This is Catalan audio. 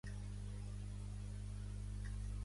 Aquesta novel·lista és un filó per a l'editorial.